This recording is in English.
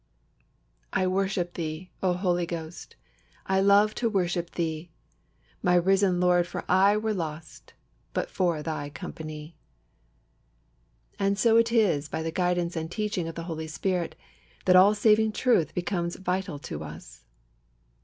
"I worship Thee, O Holy Ghost, I love to worship Thee; My risen Lord for aye were lost But for Thy company." And so it is by the guidance and teaching of the Holy Spirit that all saving truth becomes vital to us.